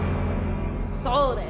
そうだよ。